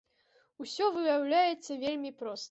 Усё выяўляецца вельмі проста.